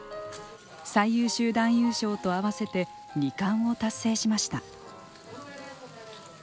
最優秀男優賞とあわせて２冠を達成しました。